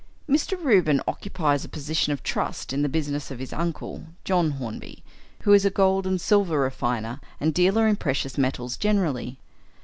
"Mr. Reuben occupies a position of trust in the business of his uncle, John Hornby, who is a gold and silver refiner and dealer in precious metals generally.